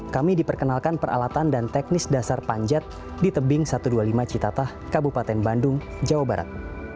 kami diperkenalkan peralatan dan teknis dasar panjat di tebing satu ratus dua puluh lima citatah kabupaten bandung jawa barat